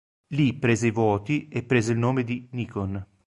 Lì prese i voti e prese il nome di Nikon.